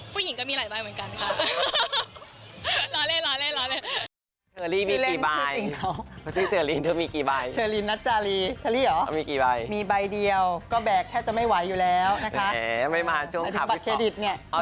ก็มีหลายใบเหมือนกันค่ะ